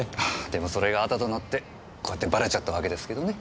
でもそれがアダとなってバレちゃったわけですけどね。